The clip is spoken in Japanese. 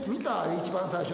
一番最初の。